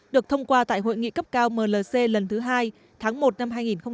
được thông qua tại hội nghị cấp cao mlc lần thứ hai tháng một năm hai nghìn hai mươi